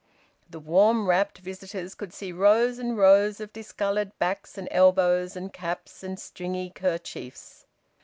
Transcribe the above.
The warm wrapped visitors could see rows and rows of discoloured backs and elbows, and caps, and stringy kerchiefs.